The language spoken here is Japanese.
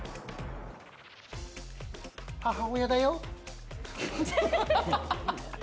母親だよ。